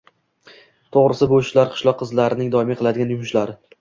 To`g`risi, bu ishlar qishloq qizlarining doimiy qiladigan yumushlari